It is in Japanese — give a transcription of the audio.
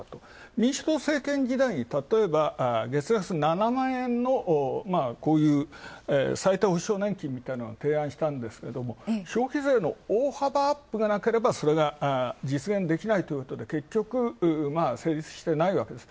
民主党政権時代にたとえば、月額７万円のこういう最低保障年金みたいなのを提案したんですけど、消費税の大幅アップがなければそれが実現できないということで結局、成立してないわけです。